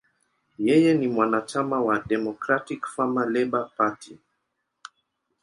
Yeye ni mwanachama wa Democratic–Farmer–Labor Party.